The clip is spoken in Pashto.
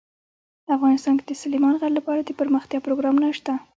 افغانستان کې د سلیمان غر لپاره دپرمختیا پروګرامونه شته.